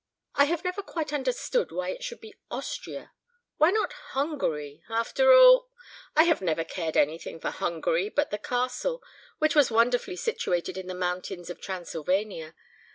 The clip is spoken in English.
"I have never quite understood why it should be Austria. Why not Hungary? After all " "I never cared for anything in Hungary but the castle, which was wonderfully situated in the mountains of Transylvania.